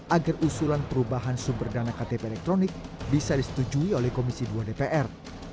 agar usulan perubahan sumber dana ktp elektronik bisa disetujui oleh komisi dua dpr